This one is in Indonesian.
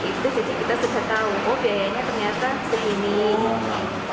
itu jadi kita sudah tahu oh biayanya ternyata segini